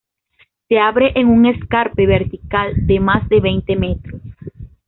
Se abre en un escarpe vertical de más de veinte metros.